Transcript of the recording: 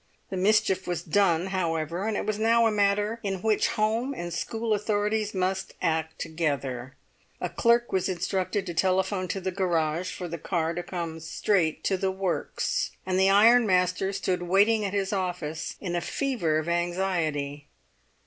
The mischief was done, however, and it was now a matter in which home and school authorities must act together. A clerk was instructed to telephone to the garage for the car to come straight to the works. And the ironmaster stood waiting at his office window in a fever of anxiety.